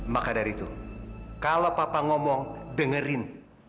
maka dari itu kalau papa ngomong dengerin